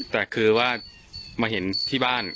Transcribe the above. แต่คือว่ามาเห็นที่บ้าน